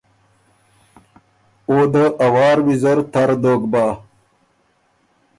او ده ا وار ویزر تر دوک بَۀ۔